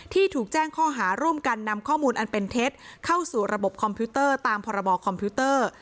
ถูกแจ้งข้อหาร่วมกันนำข้อมูลอันเป็นเท็จเข้าสู่ระบบคอมพิวเตอร์ตามพรบคอมพิวเตอร์